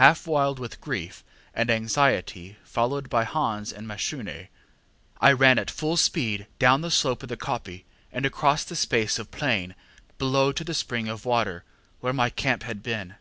Half wild with grief and anxiety, followed by Hans and Mashune, I ran at full speed down the slope of the koppie, and across the space of plain below to the spring of water, where my camp had been.